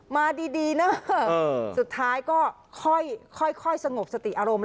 มาดีเนอะสุดท้ายก็ค่อยสงบสติอารมณ์